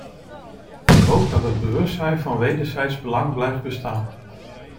Ik hoop dat het bewustzijn van wederzijds belang blijft bestaan.